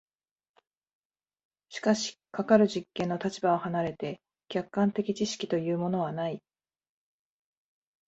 しかしかかる実験の立場を離れて客観的知識というものはない。